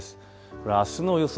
これはあすの予想